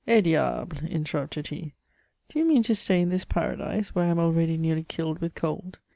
dtableP* interrupted he, '^ do you mean to stay in this paradise, where I am already nearly killed with cold